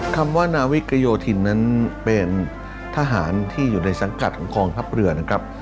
คำว่านาวิกโยธินนั้นเป็นทหารที่อยู่ในสังกัดของกองทัพเรือนะครับ